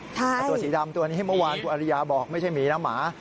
แต่ตัวสีดำตัวนี้เมื่อวานคุณอริยาบอกไม่ใช่หมีนะหมา